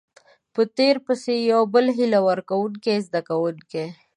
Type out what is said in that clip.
په تير پسې يو بل هيله ورکوونکۍ زده کوونکي